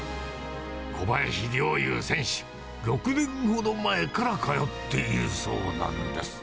小林陵侑選手、６年ほど前から通っているそうなんです。